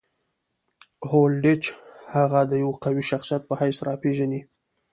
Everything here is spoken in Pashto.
هولډیچ هغه د یوه قوي شخصیت په حیث راپېژني.